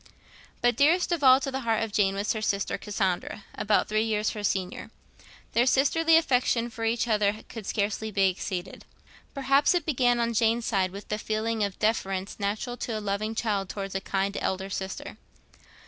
But dearest of all to the heart of Jane was her sister Cassandra, about three years her senior. Their sisterly affection for each other could scarcely be exceeded. Perhaps it began on Jane's side with the feeling of deference natural to a loving child towards a kind elder sister.